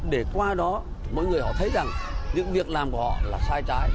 để qua đó mỗi người họ thấy rằng những việc làm của họ là sai trái